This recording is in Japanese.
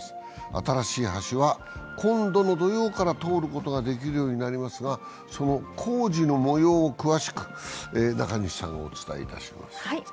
新しい橋は今度の土曜から通ることができるようになりますがその工事の模様を詳しく中西さんがお伝えいたします。